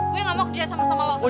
gue gak mau kerja sama sama love